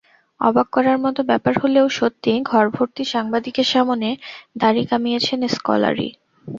অবাক করার মতো ব্যাপার হলেও সত্যি, ঘরভর্তি সাংবাদিকের সামনে দাড়ি কামিয়েছেন স্কলারি।